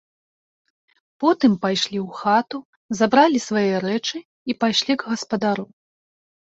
Потым пайшлі ў хату, забралі свае рэчы і пайшлі к гаспадару.